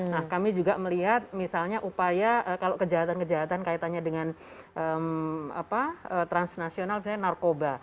nah kami juga melihat misalnya upaya kalau kejahatan kejahatan kaitannya dengan transnasional misalnya narkoba